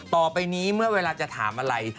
ต่อไปนี้เมื่อเวลาจะถามอะไร